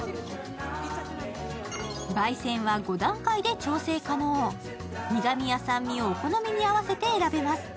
ばい煎は５段階で調整可能、苦みや酸味をお好みに合わせて選べます。